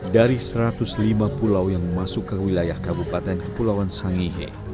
dari satu ratus lima pulau yang masuk ke wilayah kabupaten kepulauan sangihe